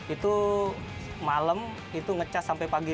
itu malam itu ngecas sampai pagi